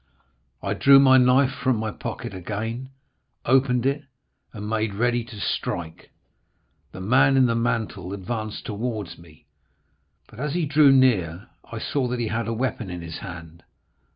I drew my knife from my pocket again, opened it, and made ready to strike. The man in the mantle advanced towards me, but as he drew near I saw that he had a weapon in his hand.